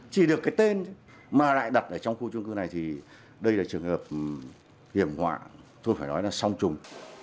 chỉ được cái tên mà lại đặt ở trong khu trung cư này thì đây là trường hợp hiểm họa tôi phải nói là song trùng